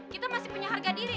kita masih punya harga diri